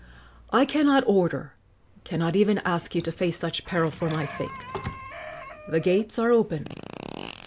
I cannot order, cannot even ask you to face such peril for my sake. The gates are open.